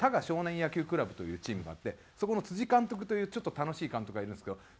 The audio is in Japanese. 少年野球クラブというチームがあってそこの辻監督というちょっと楽しい監督がいるんですけど